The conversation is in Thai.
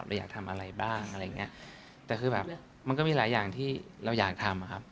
เราอยากทำอะไรบ้างอะไรอย่างเงี้ยแต่คือแบบมันก็มีหลายอย่างที่เราอยากทำอะครับ